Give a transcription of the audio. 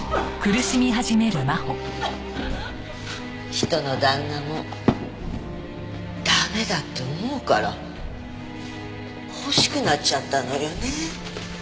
人の旦那も駄目だって思うから欲しくなっちゃったのよね？